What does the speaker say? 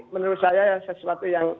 menurut saya sesuatu yang